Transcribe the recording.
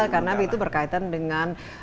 karena itu berkaitan dengan